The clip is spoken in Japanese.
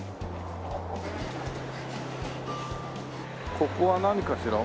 ここは何かしら？